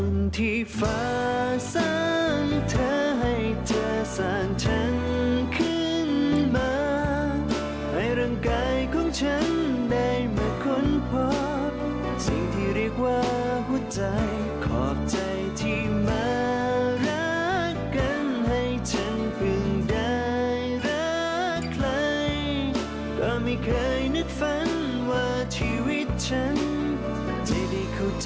มารักกันให้ฉันเพิ่งได้รักใครก็ไม่เคยนึกฝันว่าชีวิตฉันมันจะได้เข้าใจ